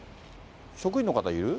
職員の方いる？